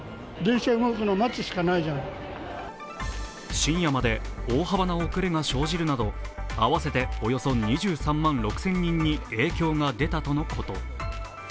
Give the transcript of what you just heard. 深夜まで大幅な遅れが生じるなど合わせておよそ２３万６０００人に影響が出たとのこと。